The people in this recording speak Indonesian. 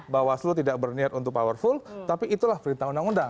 bawaslu tidak berniat untuk powerful tapi itulah perintah undang undang